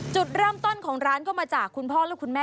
จุดเริ่มต้นของร้านก็มาจากคุณพ่อและคุณแม่